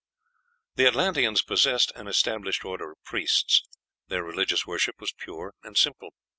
The Atlanteans possessed an established order of priests; their religious worship was pure and simple.